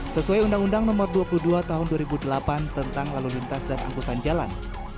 sesuai undang undang nomor dua puluh dua tahun dua ribu delapan tentang lalu lintas dan angkutan jalan